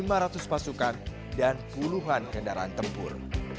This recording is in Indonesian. yang memiliki penjualan pasukan dan puluhan kendaraan tempur